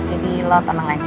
jadi lo tenang aja